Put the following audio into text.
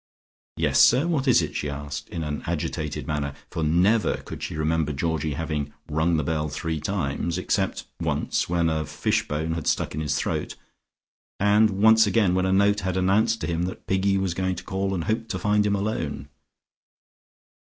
"Yes, sir, what is it?" she asked, in an agitated manner, for never could she remember Georgie having rung the bell three times except once when a fish bone had stuck in his throat, and once again when a note had announced to him that Piggy was going to call and hoped to find him alone.